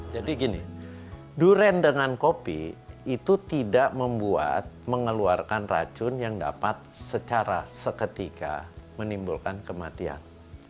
jadi gini durian dengan kopi itu tidak membuat mengeluarkan racun yang dapat secara seketika menimbulkan kematian